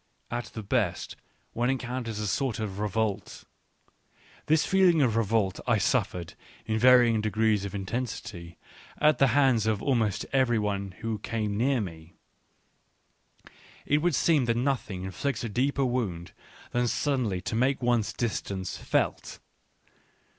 At the best one encounters a sort of revolt. This feeling of revolt, I suffered, in varying degrees of intensity, at the hands of almost every one who came near me ; it would seem that nothing inflicts a deeper wound than suddenly to make one's distance felt.